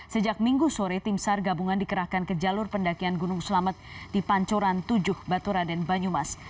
sejak minggu sore tim sar gabungan dikerahkan ke jalur pendakian gunung selamat di pancuran tujuh batura dan banyumas